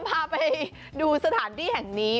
พาไปดูสถานที่แห่งนี้